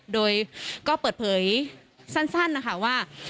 โดยก็เปิดเผยสั้นนะคะว่า